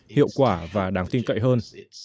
hiệu quả và đáng tin cậy hơn